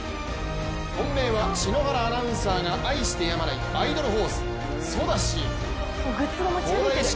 本命は、篠原アナウンサーが愛してやまないアイドルホース・ソダシ。